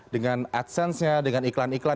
dengan adsense nya dengan iklan iklan